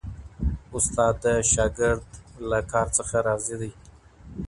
استاد د شاګرد له کار څخه راضي دی.